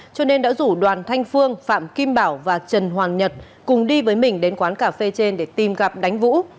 cho nên đã rủ đoàn thanh phương phạm kim bảo và trần hoàng nhật cùng đi với mình đến quán cà phê trên để tìm gặp đánh vũ